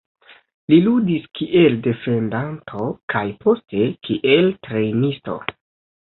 Li ludis kiel defendanto kaj poste kiel trejnisto.